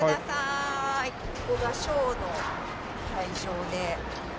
ここがショーの会場で。